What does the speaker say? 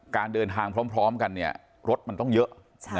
การเดินทางพร้อมกันเนี่ยรถมันต้องเยอะ